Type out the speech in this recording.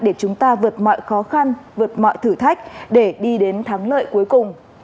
để chúng ta vượt mọi khó khăn vượt mọi thử thách để đi đến thắng lợi cuối cùng